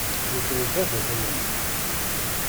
Nekk d baba-twen.